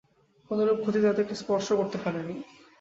কোনরূপ ক্ষতি তাদেরকে স্পর্শ করতে পারেনি।